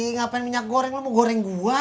ngapain minyak goreng lo mau goreng gua